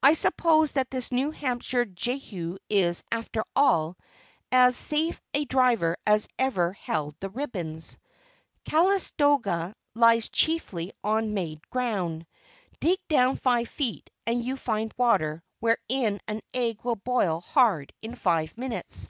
I suppose that this New Hampshire Jehu is, after all, as safe a driver as ever held the ribbons. Calistoga lies chiefly on made ground. Dig down five feet and you find water wherein an egg will boil hard in five minutes.